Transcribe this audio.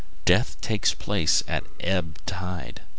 Death takes place at ebb tide.